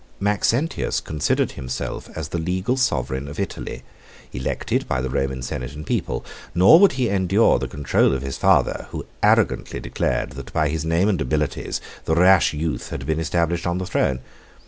Maxentius considered himself as the legal sovereign of Italy, elected by the Roman senate and people; nor would he endure the control of his father, who arrogantly declared that by his name and abilities the rash youth had been established on the throne.